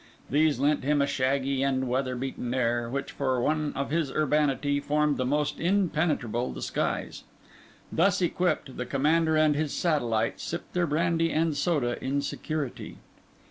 These lent him a shaggy and weather beaten air, which, for one of his urbanity, formed the most impenetrable disguise. Thus equipped, the commander and his satellite sipped their brandy and soda in security.